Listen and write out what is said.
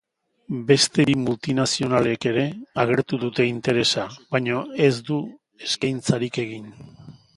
Beste bi multinazionalek ere agertu dute interesa, baina ez dute eskaintzarik egin.